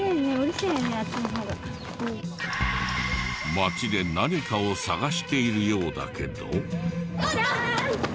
街で何かを探しているようだけど。